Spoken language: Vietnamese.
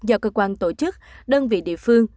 do cơ quan tổ chức đơn vị địa phương